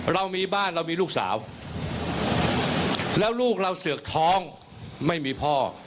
เรามีบ้านเรามีลูกสาวแล้วลูกเราเสือกท้องไม่มีพ่อ